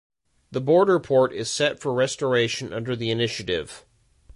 The border port is set for restoration under the initiative.